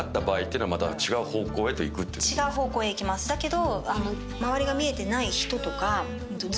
だけど。